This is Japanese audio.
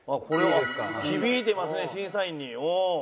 響いてますね審査員に。